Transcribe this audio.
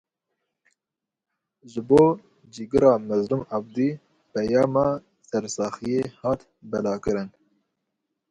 Ji bo Cîgira Mazlûm Ebdî peyama sersaxiyê hat belavkirin.